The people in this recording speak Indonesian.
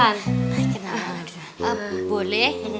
kalau mau kenalan